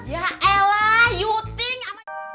ya elah you think apa